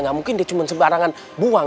gak mungkin dia cuman sebarangan buang